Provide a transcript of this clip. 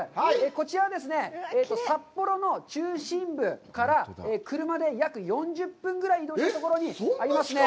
こちらは、札幌の中心部から車で約４０分ぐらい移動したところにありますね。